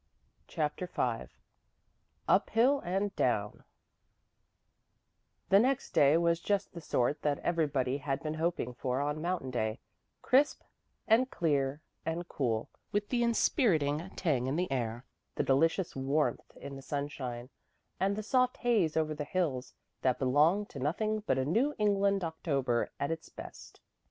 CHAPTER V UP HILL AND DOWN The next day was just the sort that everybody had been hoping for on Mountain Day, crisp and clear and cool, with the inspiriting tang in the air, the delicious warmth in the sunshine, and the soft haze over the hills, that belong to nothing but a New England October at its best.